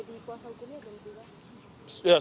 jadi puasa hukumnya udah disilas